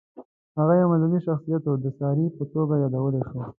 هغه یو مذهبي شخصیت و، د ساري په توګه یادولی شو.